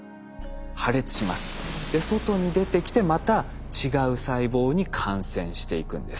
外に出てきてまた違う細胞に感染していくんです。